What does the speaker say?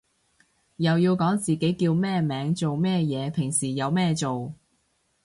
又要講自己叫咩名做咩嘢平時有咩做